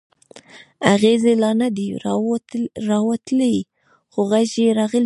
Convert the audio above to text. اغزی لا نه دی راوتلی خو غږ یې راغلی.